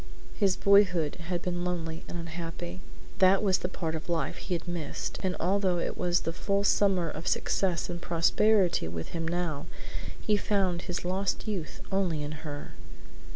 His boyhood had been lonely and unhappy. That was the part of life he had missed, and although it was the full summer of success and prosperity with him now, he found his lost youth only in her.